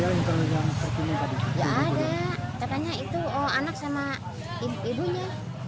ya ada katanya itu anak sama ibunya